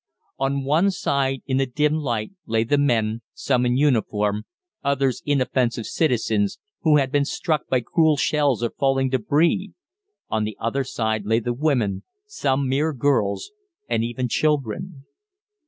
On one side in the dim light lay the men, some in uniform, others inoffensive citizens, who had been struck by cruel shells or falling débris; on the other side lay the women, some mere girls, and even children.